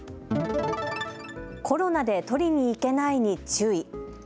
コロナで取りに行けないに注意。